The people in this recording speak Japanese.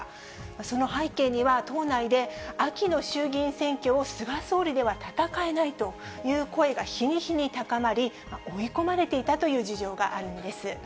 その背景には、党内で秋の衆議院選挙を菅総理では戦えないという声が日に日に高まり、追い込まれていたという事情があるんです。